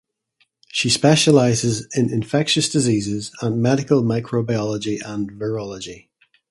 She specialises in infectious diseases and medical microbiology and virology.